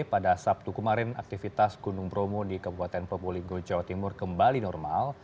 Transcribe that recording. pada sabtu kemarin aktivitas gunung bromo di kabupaten probolinggo jawa timur kembali normal